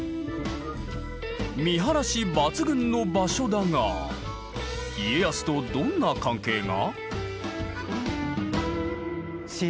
見晴らし抜群の場所だが家康とどんな関係が？